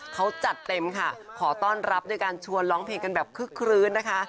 เขาจัดเต็มค่ะขอต้อนรับด้วยการชวนร้องเพลงกันแบบคึกคลื้นนะคะ